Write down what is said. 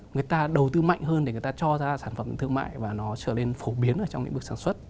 người ta đầu tư mạnh hơn để người ta cho ra sản phẩm thương mại và nó trở nên phổ biến ở trong lĩnh vực sản xuất